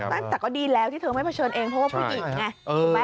แต่ก็ดีแล้วที่เธอไม่เผชิญเองเพราะว่าผู้หญิงไงถูกไหม